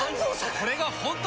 これが本当の。